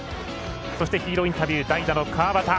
そしてヒーローインタビュー代打の川端。